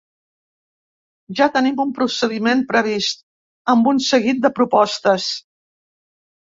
Ja tenim un procediment previst, amb un seguit de propostes.